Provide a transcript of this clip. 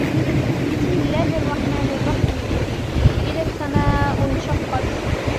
بسم الله الرحمن الرحيم إذا السماء انشقت